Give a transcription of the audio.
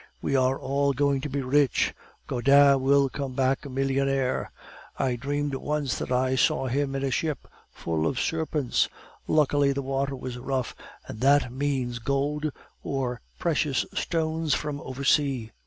We are all going to be rich. Gaudin will come back a millionaire. I dreamed once that I saw him in a ship full of serpents; luckily the water was rough, and that means gold or precious stones from over sea.